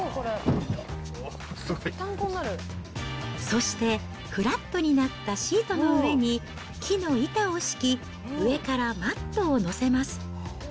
そして、フラットになったシートの上に、木の板を敷き、上からマットを載せます。